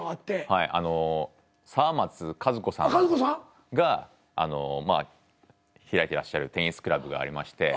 はいあの沢松和子さんが開いてらっしゃるテニスクラブがありまして。